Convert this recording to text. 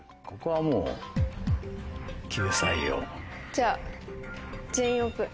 じゃあ「全員オープン」。